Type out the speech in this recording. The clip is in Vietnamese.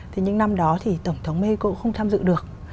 thì những năm đó thì tổng thống mexico cũng không tham dự được